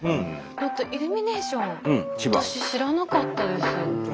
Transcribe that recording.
イルミネーション私知らなかったです。